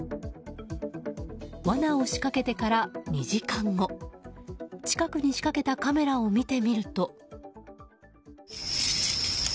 わなを仕掛けてから２時間後近くに仕掛けたカメラを見てみると。